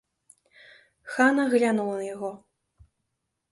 Хана глянула на яго.